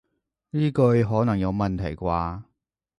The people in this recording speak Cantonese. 呢句可能有問題啩